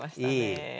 ええ。